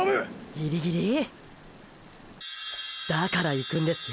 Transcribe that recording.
ギリギリ？だから行くんですよ